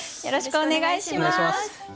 よろしくお願いします。